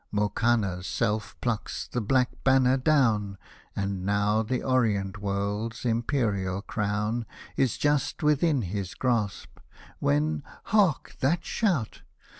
Mokanna's self plucks the black Banner down, And now the Orient World's Imperial crown Is just within his grasp — v/hen, hark, that shout